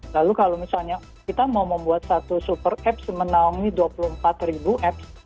lalu kalau misalnya kita mau membuat satu super apps menaungi dua puluh empat ribu apps